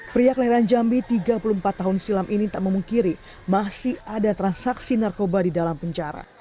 pria kelahiran jambi tiga puluh empat tahun silam ini tak memungkiri masih ada transaksi narkoba di dalam penjara